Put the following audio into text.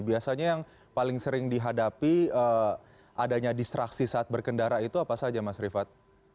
biasanya yang paling sering dihadapi adanya distraksi saat berkendara itu apa saja mas rifat